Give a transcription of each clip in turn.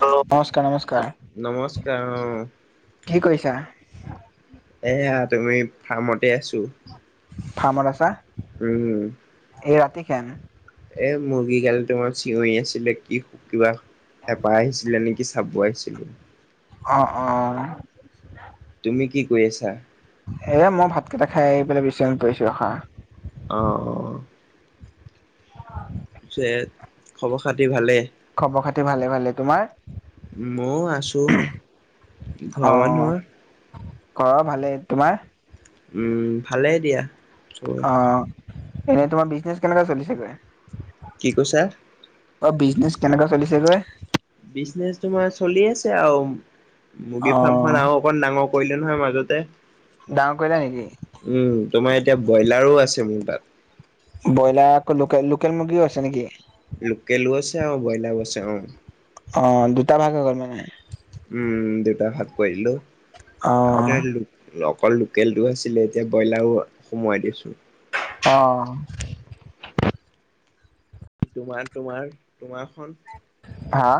Hello! নমস্কাৰ, নমস্কাৰ নমস্কাৰ অ', কি কৰিছা? এয়া তুমি ফাৰ্মতে আছোঁ। ফাৰ্মত আছা? উম। এই ৰাতি খেন এ, মুৰ্গীগাল তোমাৰ চিঞৰি আছিলে, কি-কিবা হেপা আহিছিলে নেকি। চাব আহিছিলোঁ। অ', অ'। তুমি কি কৰি আছা? এ, মই ভাতকেইটা খাই আহি পেলাই বিচনাত পৰিছোঁ ৰখা। অ', অ'। পিছে খবৰ খাতি ভালে? খবৰ খাতি ভালে ভালে তোমাৰ মওঁ আছোঁ। অ ঘৰ মানুহৰ? ঘৰৰ ভালেই, তোমাৰ? উম, ভালেই দিয়া। চবৰে। অ', এনে তোমাৰ বিজনেচ কেনেকুৱা চলিছেগৈ? কি কৈছা? অ', বিজনেচ কেনেকুৱা চলিছেগৈ? বিজনেচ তোমাৰ চলি আছে আৰু অ মুৰ্গীফাৰ্ম খন আৰু অকমান ডাঙৰ কৰিলোঁ নহয় মাজতে। ডাঙৰ কৰিলা নেকি? উম, তোমাৰ এতিয়া ব্ৰইলাৰো আছে মোৰ তাত। ব্ৰইলাৰ আকৌ লোকেল, লোকেল মুৰ্গীও আছে নে কি? লোকেলো আছে আৰু ব্ৰইলাৰো আছে অ'। অ', দুটা ভাগ হৈ গ'ল মানে! উম, দুটা ভাগ কৰাই দিলোঁ। অ আগতে অকল লোকেলটো আছিলে, এতিয়া ব্ৰইলাৰো সোমোৱাই দিছোঁ। অ'। তোমাৰ, তোমাৰ, তোমাৰখন হা'?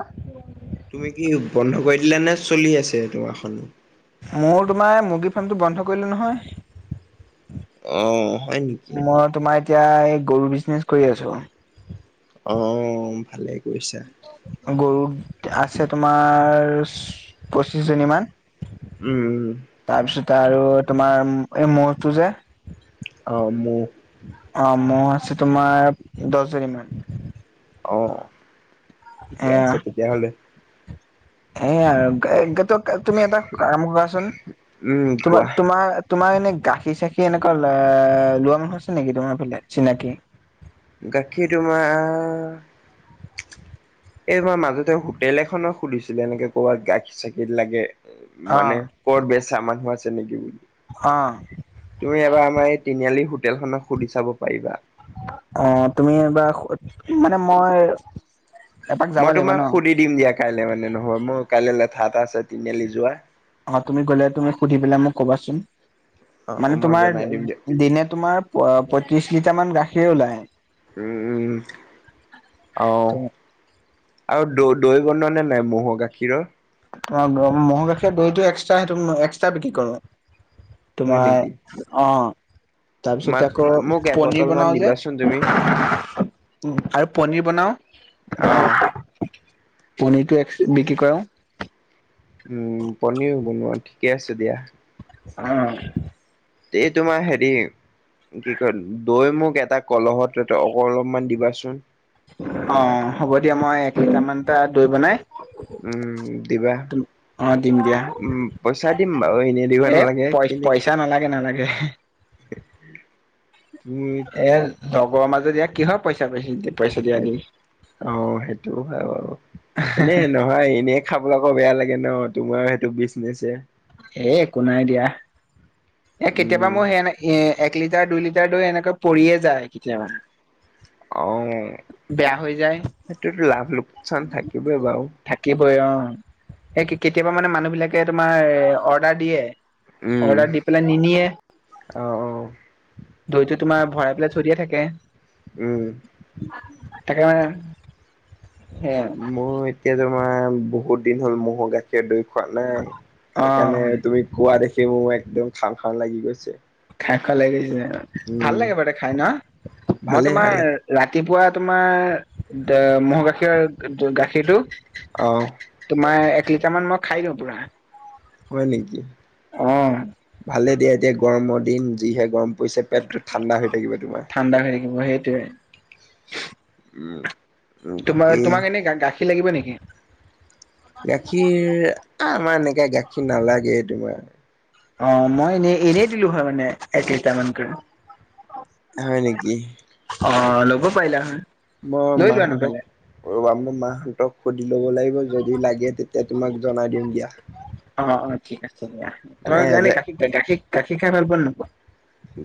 তুমি কি বন্ধ কৰি দিলা নে, চলি আছে তোমাৰখন? মোৰ তোমাৰ মুৰ্গী ফাৰ্মটো বন্ধ কৰিলোঁ নহয়। অ', হয় নেকি? মই তোমাৰ এতিয়া এই গৰু বিজনেচ কৰি আছোঁ। অ', ভালেই কৰিছা। গৰু আছে, তোমাৰ পঁচিশ জনী মান। উম, উম। তাৰপিছতে আৰু তোমাৰ এই মৰটো যে! অ', মোৰ অ', ম'হ আছে তোমাৰ দহজনীমান। অ', ঠিকে আছে তেতিয়াহ'লে। সেইয়াই আৰু [unintelligible] তুমি এটা কাম কৰাচোন, উম কোৱা তোমাৰ, তোমাৰ তোমাৰ এনে গাখীৰ চাখিৰ এনেকুৱা লোৱা মানুহ আছে নেকি, তোমাৰ ফালে চিনাকি? গাখীৰ তোমাৰ! এই মই মাজতে হোটেল এখন সুধিছিলোঁ এনেকে কৰ'বাত গাখীৰ চাখিৰ লাগে। অ মানে ক'ৰ ববেছা মানুহ আছে নেকি বুলি? অ'। তুমি এবাৰ আমাৰ এই তিনিআলি হোটেলখনক সুধি চাব পাৰিবা। অ', তুমি এবাৰ সুধ, মানে মই এপাক যাব মই লাগিব তোমাক ন সুধি দিম দিয়া। কাইলৈ মানে নহ'ব, মোৰ কাইলৈ লেঠা এটা আছে, তিনিআলি যোৱাৰ অ', তুমি গ'লে, তুমি সুধি পেলাই মোক ক'বাচোন। অ' মানে মই তোমাৰ, জনাই দিম দিয়া দিনে তোমাৰ পোৱা পঁয়ত্ৰিশ লিটাৰমান গাখীৰ ওলায়। উম, উম। অ'। আৰু দৈ, দৈ বনোৱা নে নাই? ম'হৰ গাখীৰৰ অ', ম-ম'হৰ গাখীৰৰ দৈটো এক্সট্ৰা, সেইটো এক্সট্ৰা বিক্ৰী কৰোঁ। হয় নেকি? তোমাৰ, অ'। তাৰপিছতে মাক আকৌ, মোক পনিৰ এবটল মান বনাওঁ যে, দিবাচোন তুমি আৰু পনীৰ বনাওঁ অ'। পনীৰটো এক্সট্ৰা বিক্ৰী কৰাও উম, পনীৰো বনোৱা, ঠিকেই আছে দিয়া। অ'। এই তোমাৰ, হেৰি কি কয়, দৈ মোক এটা কলহত, অলপমান দিবাচোন। অ', হ'ব দিয়া, মই এক লিটাৰমানটা দৈ বনাই [inaudible] উম, দিবা। অ দিম দিয়া উম, পইচা দিম বাৰু, এনেই দিব এ নালাগে। কিন্তু পইচা নালাগে, নালাগে। [inaudible] এ, লগৰ মাজত এইয়া কিহৰ পইচা-পইচা, পইছা দিয়া দি অ', সেইটোও হয় বাৰু, এনেই ন ধৰা, এনেই খাবলৈ আকৌ বেয়া লাগে ন, তোমাৰ সেইটো বিজনেছে সেই একো নাই দিয়া। এ, কেতিয়াবা উম মোৰ এনে, এক লিটাৰ, দুই লিটাৰ দৈ এনেকৈ পৰিয়ে যায়, কেতিয়াবা অ', বেয়া হৈ যায় সেইটোতো লাভ-লোকচান থাকিবই বাৰু। থাকিবই। অ', এই কেতিয়াবা মানে মানুহবিলাকে তোমাৰ, অৰ্ডাৰ দিয়ে উম অৰ্ডাৰ দি নিনিয়ে, অ অ দৈটো তোমাৰ, ভৰাই পেলাই থৈ দিয়া থাকে। উম। তাকে, মানে সেয়া মোৰ এতিয়া তোমাৰ, বহুত দিন হ'ল ম'হৰ গাখী খীৰৰ দৈ খোৱা নাই। অ সেইকাৰণে, তুমি কোৱা দেখি, মোৰ একদম খাওঁ-খাওঁ লাগি গৈছে। খাওঁ-খাওঁ লাগি গৈছে, ভাল উম লাগে বাৰু খাই ন'? মই ভালে তোমাৰ ভালে ৰাতিপুৱা তোমাৰ, দ, ম'হৰ গাখীৰৰ, গাখীৰটো অ'। তোমাৰ, এক লিটাৰমান, মই খাই দিওঁ পুৰা। হয় নেকি? অ ভালে দিয়া, এতিয়া গৰমৰ দিন যিহে গৰম পৰিছে পেটটো ঠাণ্ডা হৈ থাকিব তোমাৰ ঠাণ্ডা হৈ থাকিব, সেইটোৱেই উম। তোমাৰ, বাকী তোমাক এনে গা-গাখীৰ লাগিব নেকি? গাখীৰ, আ, আমাৰ এনেকে গাখীৰ নালাগেই, তোমাৰ অ', মই এনে, এনেই দিলোঁ হয় মানে এক লিটাৰমানকৈ হয় নেকি? অ', ল'ব পাৰিলা হৈ মই মাহঁতক [unintelligible] মাহঁতক সুধি ল'ব লাগিব যদি লাগে তে [unintelligible] তে' তোমাক জনাই দিম দিয়াহ। অ', অ', ঠিক আছে দিয়া। তোমাৰ কাৰণে যে গাখীৰ, গাখীৰ, গাখীৰ খাই ভাল পোৱা নে নোপোৱা?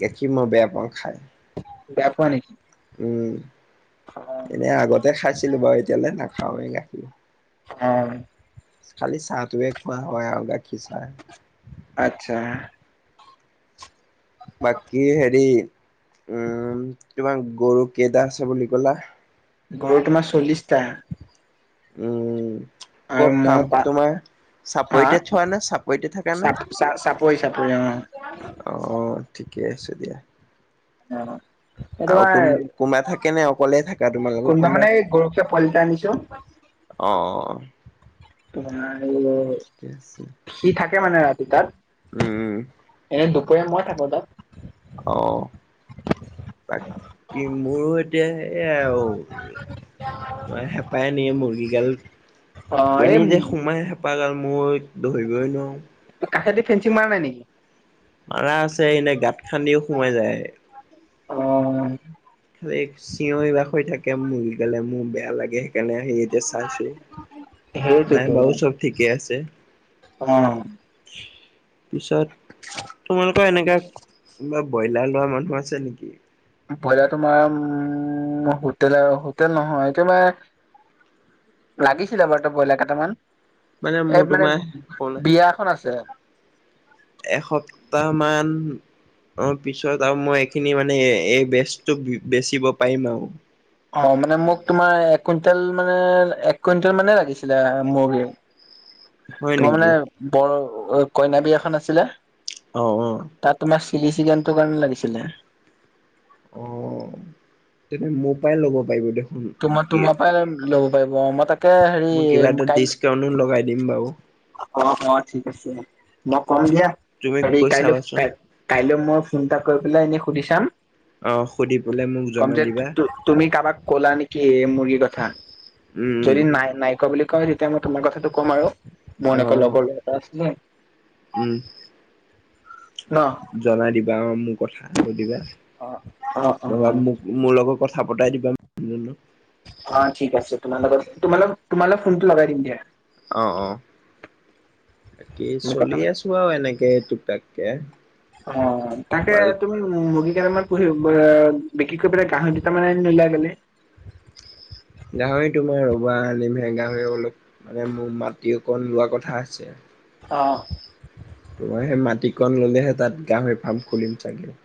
গাখীৰ মই বেয়া পাওঁ খায়। বেয়া পোৱা নেকি? উম, এনে আগতে খাইছিলোঁ বাৰু এতিয়ালৈ নাখাওৱে গাখীৰ। অ'। খালি চাহটোৱে খোৱা হয়, আৰু গাখীৰ চাহ। আটচ্ছা। বাকী হেৰি উম, তোমাৰ গৰু কেইটা আছে বুলি ক'লা? গৰু তোমাৰ চল্লিশটা। উম, আৰু ক'ত মই ফাৰ্ম পা তোমাৰ? হা চাপৰিতে থোৱানে, চাপৰিতে থাকানে? চাপ চা চাপৰি চাপৰি অ অ', অ', ঠিকে আছে দিয়া। [inaudible] এ, আৰু কোন তোমাৰ কোনোবা থাকে নে অকলে থাকা তোমালোকৰ কোনোবা মানে গৰখীয়া পোৱালি এটা আনিছোঁ। অ', অ', অ'। তোমাৰ ঠিকে আছে সি থাকে মানে ৰাতি তাত। উম। এনে দুপৰীয়া মই থাকোঁ তাত। অ', বাকী মোৰ এতিয়া সেইয়া আৰু হেপাই নিয়ে মুৰ্গীগাল। অ এই কেনি যে সোমাই হেপাগাল মই ধৰিবই নোৱাৰো। কাষেদি ফেঞ্চিং মাৰা নাই নেকি? ম়াৰা আছে এনেই গাঁত খান্দিও সোমাই যায়। অ'। চিঞৰি বাখৰি হৈ থাকে মুৰ্গিগালে, মোৰ বেয়া লাগে সেইকাৰণে আহি চাইছোঁ, নাই সেইটোৱেতো বাৰু চব ঠিকে আছে। অ পিছত তোমালোক এনেকা কিবা ব্ৰইলাৰ লোৱা মানুহ আছে নেকি? বইলাৰ তোমাৰ উম, হোটেলৰ, হোটেল নহয় তোমাৰ লাগিছিলে বাৰু ত' ব্ৰইলাৰ কেইটামান মানে মোৰ এই মানে তোমাৰ শুনা বিয়া এখন আছে। এসপ্তাহ মান অ', পিছত আৰু মই এইখিনি মানে এই বেচটো বেচিব পাৰিম আৰু। অ', মানে মোক তোমাৰ এক কুইণ্টেল মানে এক কুইণ্টেল মানে লাগিছিলে মূৰ্গী। [inaudible] তোমাৰ মানে নেকি? বৰ কইনা বিয়া এখন আছিলে। অ', অ'। তাত তোমাৰ চিলি চিকেনটোৰ কাৰণে লাগিছিলে। অ', তেনে মোৰ পৰাই ল'ব পাৰিব দেখোঁন। তোমাৰ, তোমাৰ পৰাই ল'ব পাৰিব মই তাকে হেৰি কাই কিয়নো লগাই দিম বাৰু। অ', অ', ঠিক আছে মই কম দিয়া তুমি হেৰী কৈ কাইলৈ চাবাচোন কাই কাইলৈ মই ফোন এটা কৰি পেলাই এনেই সুধি চাম। অ', সুধি পেলাই মোক কম জনাই যে দিবা। তুমি কাবাক কলা নেকি এই মুৰ্গীৰ কথা, উম উম যদি নাই নাইকোৱা বুলি কয়, তেতিয়া মই তোমাৰ কথাটো ক'ম আৰু মোৰ অ এনেকুৱা লগৰ ল'ৰা এটা আছিলে। উম। ন'? জনাই দিবা অ', মোৰ কথা কৈ দিবা অ অ অ নবা মোক মোৰ লগত কথা পতাই দিবা। অ', ঠিক আছে, তোমাৰ লগত তোমাৰল তোমালে ফোনটো লগাই দিম দিয়া। অ', অ'। বাকী তুমি কথা চলি পাতি আছো আৰু এনেকে টোক তাককে মাজত উম, মুৰ্গী কেইটা মান পুহি ব আ, বিক্ৰী কৰি পেলাই, গাহৰি দুটা মান আনি নোলোৱা কেলে? গাহৰি তোমাৰ ৰ'বা আনিমহে গাহৰি অলপ মানে মোৰ মাটি অকণ লোৱা কথা আছে। অ'। তোমাৰ সেই মাটিকণ ললেহে তাত গাহৰি ফাৰ্ম খুলিম চাগে।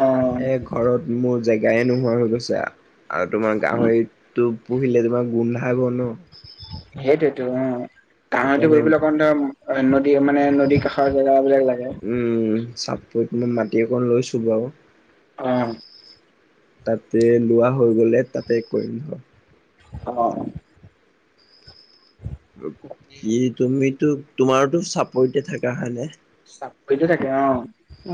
অ এ ঘৰত মোৰ জেগায়ে নোহোৱা হৈ গৈছে আৰু তোমাৰ গাহৰিতো পুহিলে তোমাৰ গোন্ধাব ন সেইটোয়তো অ', [unintelligible] সেইকাৰণে পুহিবলে অকণমান তই অই, নদী মানে নদীৰ কাষৰ জেগা বিলাক লাগে। উম, চাপৰিত মই মাটি অকণ লৈছোঁ বাৰু। অ'। তাতে লোৱা হৈ গ'লে তাতে কৰিম ধৰ। অ', অ'। কি তুমিতো, তোমাৰোতো চাপৰিতে থকা হয় নে? চাপৰিতে থাকে অ',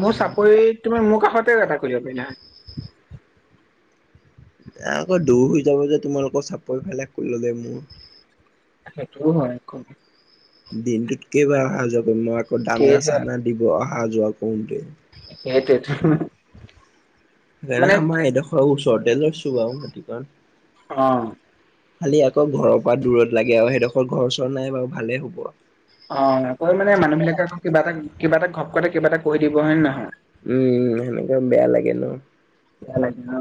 মোৰ চাপৰিত তুমি মোৰ কাষতে এটা খুলিব পাৰিলা হয়। এ আকৌ দূৰ হৈ যাব যে তোমালোকৰ চাপৰিফালে খুলি ললে মোৰ। সেইটোও হয় খুব দিনটোত কেইবাৰ অহা যোৱা কৰিম, মই আকৌ দানা কেইটা চানা দিব অহা যোৱা কৰোতেই। সেইটোৱে [unintelligible] সেইকাৰণে আমাৰ এডোখৰ ওচৰতে লৈছো বাৰু মাটিকন। অ খালি আকৌ ঘৰৰ পৰা দূৰত লাগে আৰু সেইডোখৰ ঘৰ চৰ নাই বাৰু ভালে হ'ব অ', আকৌ মানে মানুহ বিলাকে, আকৌ কিবা এটা কিবা এটা, ঘপ কতে কিবা এটা কৈ দিব, হয় নে নহয়? উম, সেনেকা বেয়া লাগে ন। বেয়া লাগে [unintelligible]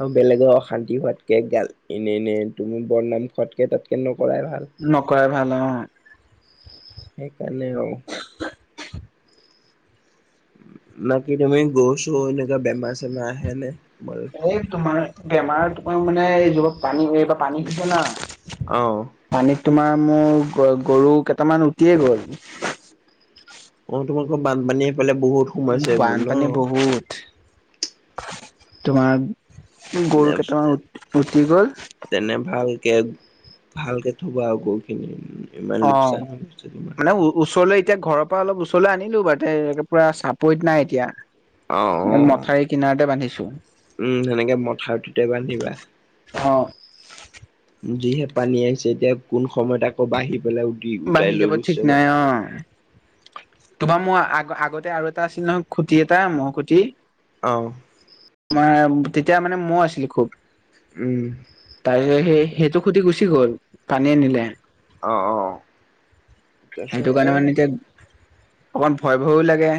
আৰু বেলেগৰ অশান্তি হোৱাতকে গালি, এনে এনে তুমি বদনাম খোৱাতকে তাতকে নকৰাই ভাল। নকৰাই ভাল অ' সেইকাৰণে আৰু ন কি তুমি গৰু চৰু এনেকুৱা বেমাৰ চেমাৰ আহে নে ম এই তোমাৰ বেমাৰ তোমাৰ মানে এই জ' পা পানী এইবাৰ পানী হৈছে ন। অ' পানীত তোমাৰ মোৰ গ-গৰু কেইটামান উটিয়েই গ'ল। অ', তোমালোকৰ বানপানী সেইফালে বহুত। সোমাইছে ন? বানপানী বহুত। তোমাৰ গৰু কেইটামান উ-উটি গ'ল। তেনে ভালকে ভালকে থ'ব আও গৰু। খিনি ইমান লোকচান অ', হৈ গৈছে তোমাৰ। মানে ও-ওচৰলৈ এতিয়া ঘৰৰ ত' অলপ ওচৰলৈ আনিলোঁ বাৰু, পুৰা চাপৰিত নাই অ', এতিয়া অ', মথাউৰিত কিনাৰতে বান্ধিছোঁ। উম, সেনেকে মথাউৰিতোতে বান্ধিবা। অ'। যিহে পানী আহিছে, এতিয়া কোন সময়ত আকৌ বাঢ়ি পেলাই উটি উটাই বাঢ়ি লৈ যাব ঠিক গৈছে নাই অ'। তোমাৰ মোৰ আগ-আগতে আৰু এটা আছিল নহয়, খুটি এটা ম'হ খুটি। অ'। তেতিয়া মানে মই আছিলোঁ খুব উম, তাৰপিছত সেই-সেইটো খুটি গুচি গ'ল পানীয়ে নিলে। অ', অ'। সেইটো তাৰপিছত এ কাৰণে মানে এতিয়া অকণ ভয়, ভয়ো লাগে।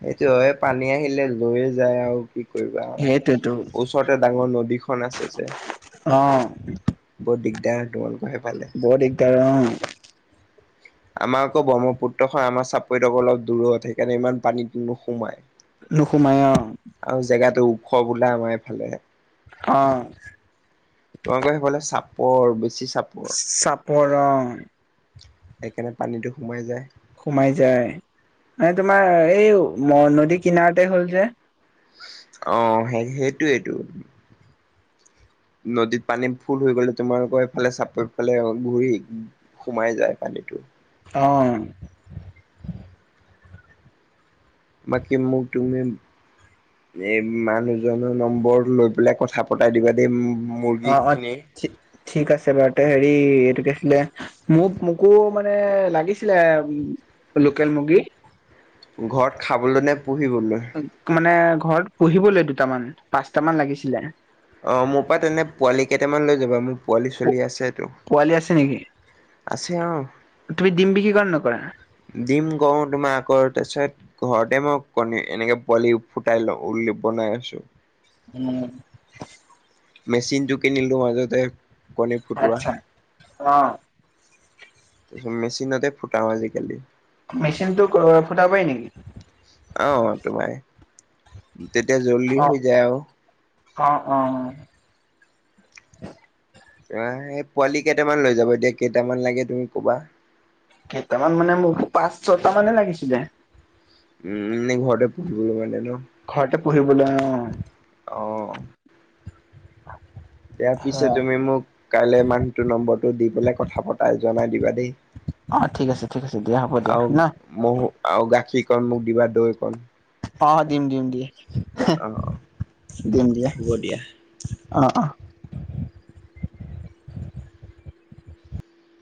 সেইটো হয়, পানী আহিলে লৈয়ে যায় আৰু কি কৰিবা আৰু। সেইটোৱেতো ওচৰতে ডাঙৰ নদীখন আছে যে। অ বৰ দিগদাৰ তোমালোকৰ সেইফালে। বৰ দিগদাৰ অ'। আমাৰ আকৌ ব্ৰহ্মপুত্ৰখন আমাৰ চাপৰিত কৌ অলপ দূৰত, সেইকাৰণে ইমান পানী নোসোমাই। নোসোমাই অ'। আৰু জেগাতো ওখ বোলে আমাৰ এইফালে। অ'। তোমালোকৰ সেইফালে চাপৰ, বেছি চাপ চাপৰ অ'। সেইকাৰণে পানীটো সোমাই যায়। সোমাই যায়, মানে তোমাৰ এই মৰ নদী কিনাৰতে হ'ল যে। অ', সেইটোৱেই টো। নদীত পানী ফোল হৈ গ'লে তোমালোকৰ এইফালে চাপ এইফালে ঘূৰি। সোমাই যায় পানীটো। অ'। বাকী মোক তুমি এই মানুহজনৰ নম্বৰ লৈ পেলাই কথা পতাই দিবা দেই। মুৰ্গী অ', অ', খিনি ঠিক আছে বাৰু তে হেৰি এইটো কি আছিলে! মোক-মোকো মানে লাগিছিলে লোকেল মুৰ্গী। ঘৰত খাবলৈ নে পুহিবলৈ? মানে ঘৰত পুহিবলৈ দুটামান- পাঁচটামান লাগিছিলে! অ', মোৰ পা তেন্তে পোৱালি কেইটামান লৈ যাবা, মোৰ পোৱালি চোৱালী আছেটো। পোৱালি আছে নেকি? তুমি দিম বিক্ৰী কৰা নে নকৰা? দিম কৰোঁ, তোমাৰ আকৌ তাৰপাছত ঘৰতে মই কণী এনেকে পোৱালি ফুটাই লওঁ, [unintelligible] বনাই আছোঁ। উম। মেচিনটো কিনিলোঁ মাজতে কণী ফুটোৱা। আচ্ছা অ মেচিনতে ফুটাও আজিকালি। মেচিন টো ফুটাব পাৰে নেকি? আহ, তোমাৰ তেতিয়া জল্দি অ হৈ যায় আৰু। অ', অ'। অ', পোৱালি কেইটামান লৈ যাবা দিয়া, কেইটামান লাগে তুমি ক'বা। কেইটামান মানে মোক পাঁচ ছটা মানে লাগিছিলে উম এনে ঘৰতে পঢ়িবলে মানে ন ঘৰতে পঢ়িবলে অ, অঁ, দিয়া অ পিছে অ তুমি মোক কাইলৈ মানুহটোৰ নম্বৰটো দি পেলাই কথা পতাই জনাই দিবা দেই। অ ঠিক আছে ঠিক আছে দিয়া হ'ব দিয়া ন মু আৰু গাখীৰ কণ মোক দিবা দৈ কণ। অ দিম দিম দিয়ে অ অ দিম দিয়ে হ'ব দিয়া অ অ